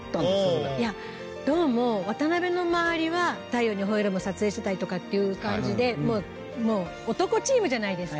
いやどうも渡辺の周りは『太陽にほえろ！』も撮影してたりとかっていう感じでもう男チームじゃないですか。